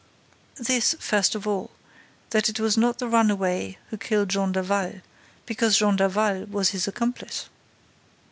"This, first of all, that it was not the runaway who killed Jean Daval, because Jean Daval was his accomplice."